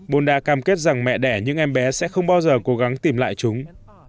bonda cam kết rằng mẹ đẻ những em bé sẽ không bao giờ cố gắng tìm lại chúng